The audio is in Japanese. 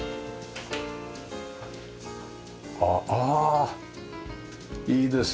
あっああいいですね。